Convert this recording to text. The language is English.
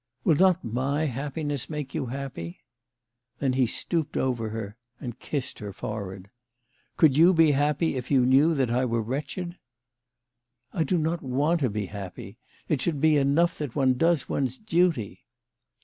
"Will not my happiness make you happy ?" Then he stooped over her and kissed her forehead. " Could you be happy if you knew that I were wretched ?" "I do not want to be happy. It should be enough that one does one's duty."